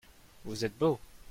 Vous êtes beau.